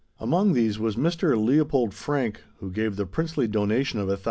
Among these was Mr. Leopold Frank, who gave the princely donation of £1,000.